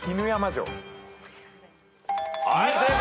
はい正解！